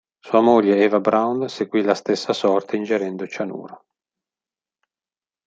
Sua moglie Eva Braun seguì la stessa sorte ingerendo cianuro.